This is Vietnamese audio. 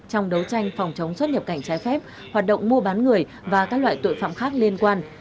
trong đấu tranh phòng chống xuất nhập cảnh trái phép hoạt động mua bán người và các loại tội phạm khác liên quan